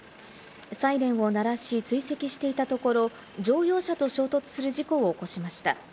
サイレンを鳴らし追跡していたところ、乗用車と衝突する事故を起こしました。